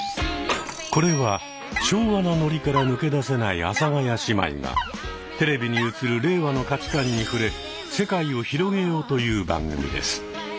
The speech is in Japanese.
これは昭和なノリから抜け出せない阿佐ヶ谷姉妹がテレビに映る令和の価値観に触れ世界を広げようという番組です。